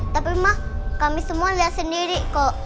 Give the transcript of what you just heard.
tapi mah kami semua liat sendiri kok